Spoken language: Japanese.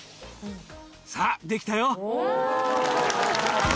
さぁできたよ。